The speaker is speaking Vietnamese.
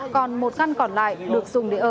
còn một căn còn lại được dùng để ở